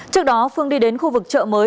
trước đó phương đi đến khu vực chợ mới